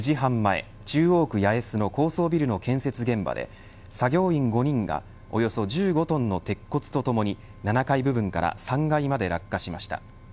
中央区八重洲の高層ビルの建設現場で作業員５人がおよそ１５トンの鉄骨とともに７階部分から３階まで落下しました。